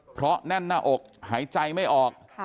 เพราะแน่นหน้าอกหายใจไม่ออก